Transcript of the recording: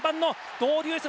ドウデュースだ！